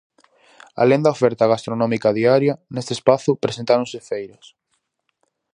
Alén da oferta gastronómica diaria, neste espazo presentáronse feiras...